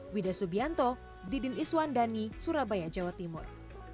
wida subianto didin iswandani surabaya jawa timur